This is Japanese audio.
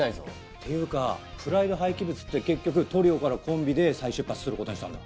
っていうかプライド廃棄物って結局トリオからコンビで再出発する事にしたんだ？